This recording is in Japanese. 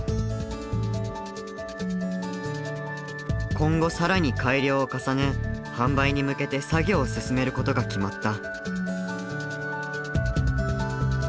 今後さらに改良を重ね販売に向けて作業を進めることが決まった。